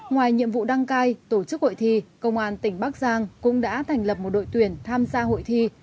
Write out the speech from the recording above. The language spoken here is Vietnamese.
ngoài nhiệm vụ đăng cai tổ chức hội thi công an tỉnh bắc giang cũng đã thành lập một đội tuyển tham gia hội thi